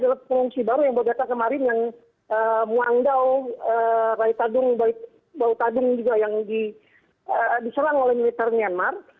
ada pengungsi baru yang berdata kemarin yang muangdaw rai tadung bautadung juga yang diserang oleh militer myanmar